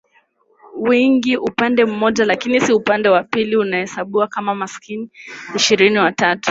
wengi upande mmoja lakini si upande wa pili anahesabiwa kama maskini Ishirini na tatu